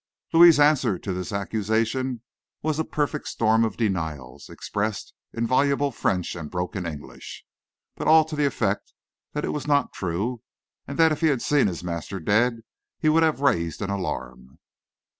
Louis's answer to this accusation was a perfect storm of denials, expressed in voluble French and broken English, but all to the effect that it was not true, and that if he had seen his master dead, he would have raised an alarm.